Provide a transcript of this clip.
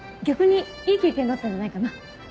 逆にいい経験になったんじゃないかな。